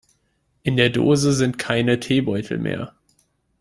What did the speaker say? In der Dose sind keine Teebeutel mehr.